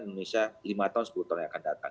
indonesia lima tahun sebutan yang akan datang